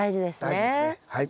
大事ですねはい。